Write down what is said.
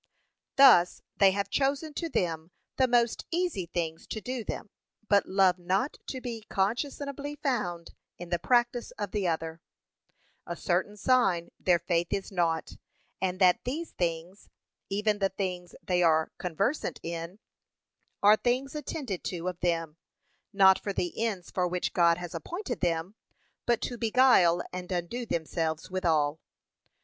Thus they have chosen to them the most easy things to do them, but love not to be conscionably found in the practice of the other; a certain sign their faith is nought, and that these things, even the things they are conversant in, are things attended to of them, not for the ends for which God has appointed them, but to beguile and undo themselves withal.